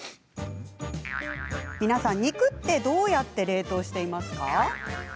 皆さん、肉ってどうやって冷凍してますか？